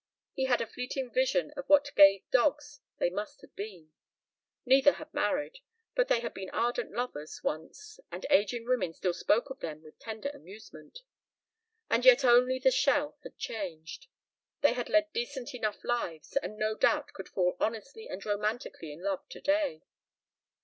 He had a fleeting vision of what gay dogs they must have been. Neither had married, but they had been ardent lovers once and aging women still spoke of them with tender amusement. And yet only the shell had changed. They had led decent enough lives and no doubt could fall honestly and romantically in love today.